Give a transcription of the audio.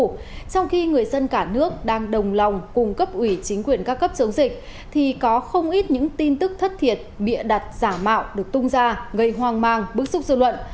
trong khi người dân cả nước đang đồng lòng cùng cấp ủy chính quyền các cấp chống dịch thì có không ít những tin tức thất thiệt bịa đặt giả mạo được tung ra gây hoang mang bức xúc dư luận